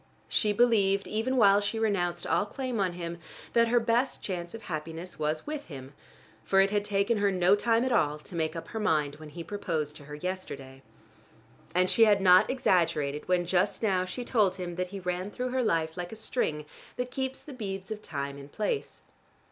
She believed even while she renounced all claim on him, that her best chance of happiness was with him, for it had taken her no time at all to make up her mind when he proposed to her yesterday. And she had not exaggerated when just now she told him that he ran through her life like a string that keeps the beads of time in place.